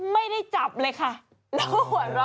ไม่ได้จับเลยค่ะแล้วก็หัวเราะ